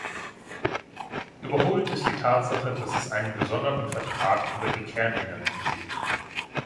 Überholt ist die Tatsache, dass es einen gesonderten Vertrag über die Kernenergie gibt.